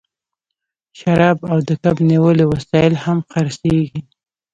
شراب او د کب نیولو وسایل هم خرڅیږي